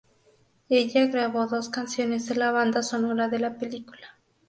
Ella grabó dos canciones de la banda sonora de la película.